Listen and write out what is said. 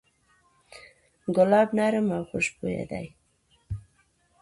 ګلاب نرم او خوشبویه دی.